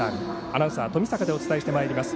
アナウンサー、冨坂でお伝えしてまいります。